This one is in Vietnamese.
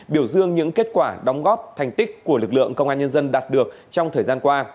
biểu dương những kết quả đóng góp thành tích của lực lượng công an nhân dân đạt được trong thời gian qua